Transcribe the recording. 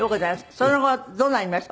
その後どうなりました？